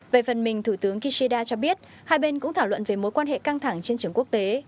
về phần mình thủ tướng kishida cho biết hai bên cũng thảo luận về mối quan hệ căng thẳng trên trường quốc tế